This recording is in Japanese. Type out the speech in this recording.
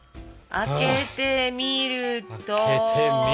開けてみると。